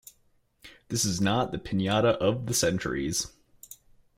This is not the patina of the centuries.